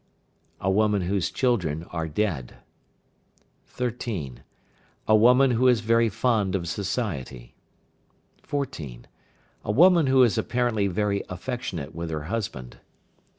A woman whose children are dead. 13. A woman who is very fond of society. 14. A woman who is apparently very affectionate with her husband.